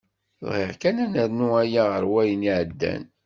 Bɣiɣ kan ad nernu aya ɣer wayen iεeddan.